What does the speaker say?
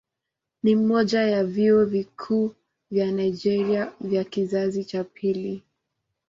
Ni mmoja ya vyuo vikuu vya Nigeria vya kizazi cha pili.